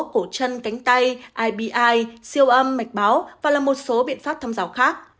cổ chân cánh tay ibi siêu âm mạch máu và làm một số biện pháp thăm dào khác